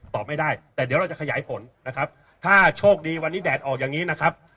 ตอบไม่ได้แต่เดี๋ยวเราจะขยายผลนะครับถ้าโชคดีวันนี้แดดออกอย่างนี้นะครับ